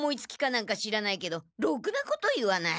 何か知らないけどろくなこと言わない。